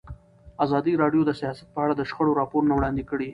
ازادي راډیو د سیاست په اړه د شخړو راپورونه وړاندې کړي.